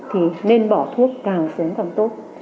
thì nên bỏ thuốc càng sớm càng tốt